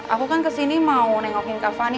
aku kan ke sini mau nengokin kak fani